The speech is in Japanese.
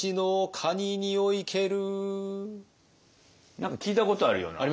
何か聞いたことあるような。